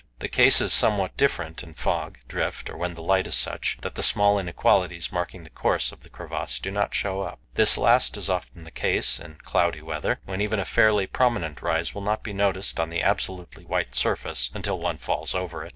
The case is somewhat different in fog, drift, or when the light is such that the small inequalities marking the course of the crevasse do not show up. This last is often the case in cloudy weather, when even a fairly prominent rise will not be noticed on the absolutely white surface until one falls over it.